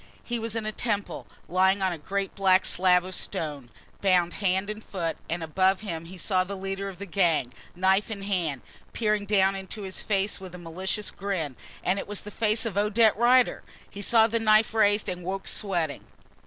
He was in a temple, lying on a great black slab of stone, bound hand and foot, and above him he saw the leader of the gang, knife in hand, peering down into his face with a malicious grin and it was the face of Odette Rider! He saw the knife raised and woke sweating.